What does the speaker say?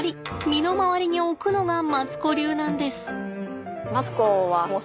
身の回りに置くのがマツコ流なんです。